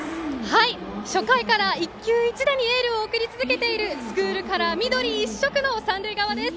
初回から一球一打にエールを送り続けているスクールカラーの緑一色の三塁側です。